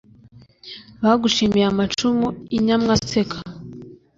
Bagushimiye amacumu i Nyamwaseka